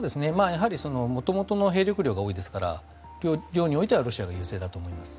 やはり元々の兵力量が多いですから量においてはロシアが優勢だと思います。